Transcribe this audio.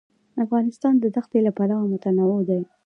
افغانستان د دښتې له پلوه متنوع دی.